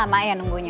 lama ya nunggunya